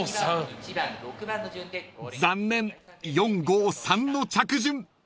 ［残念４−５−３の着順］